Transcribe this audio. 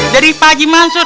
dari pakji mansur